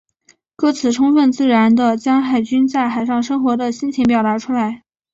歌词充分自然地将海军在海上生活的心情表达出来。